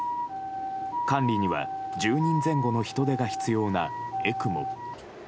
管理には１０人前後の人手が必要なＥＣＭＯ。